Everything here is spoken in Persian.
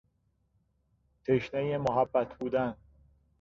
تشنهی محبت بودن